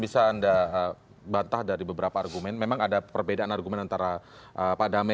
saya ingin mengingatkan